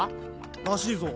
らしいぞ。